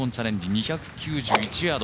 ２９１ヤード。